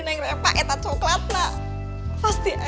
dengan tempat pake coklat enak pasti bisa